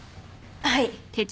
はい。